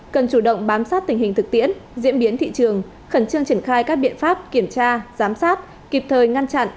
cần chủ động bám sát tình hình thực tiễn diễn biến thị trường khẩn trương triển khai các biện pháp kiểm tra giám sát kịp thời ngăn chặn